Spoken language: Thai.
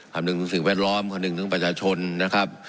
คำนึงถึงสิ่งแวดล้อมคำนึงถึงประชาชนนะครับ